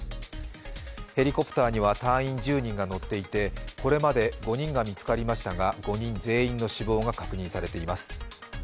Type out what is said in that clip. ヘリコプターには隊員１０人が乗っていて、これまで５人が見つかりましたが５人全員の死亡が確認されています